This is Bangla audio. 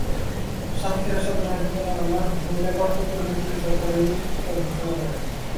সাতক্ষীরা সদর হাসপাতালে আনা হলে কর্তব্যরত চিকিৎসক তাঁকে মৃত ঘোষণা করেন।